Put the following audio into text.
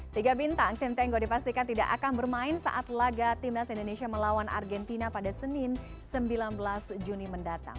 tiga bintang tim tengo dipastikan tidak akan bermain saat laga timnas indonesia melawan argentina pada senin sembilan belas juni mendatang